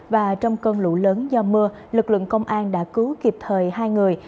và trong cơn lũ lớn do mưa lực lượng công an đã cứu kịp thời hai người